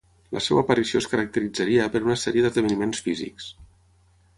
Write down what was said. La seva aparició es caracteritzaria per una sèrie d'esdeveniments físics.